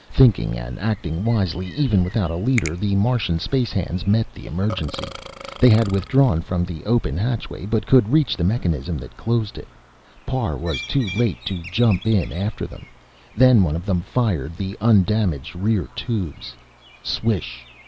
Thinking and acting wisely, even without a leader, the Martian space hands met the emergency. They had withdrawn from the open hatchway, but could reach the mechanism that closed it. Parr was too late to jump in after them. Then one of them fired the undamaged rear tubes. _Swish!